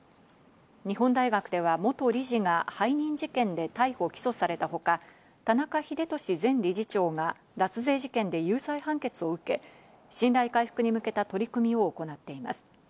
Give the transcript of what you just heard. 日本大学では元理事が背任事件で逮捕・起訴されたほか、田中英壽前理事長が脱税事件で有罪判決を受け、信頼回復に向けた取り組みを行っています。